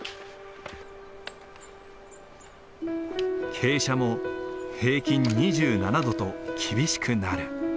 傾斜も平均２７度と厳しくなる。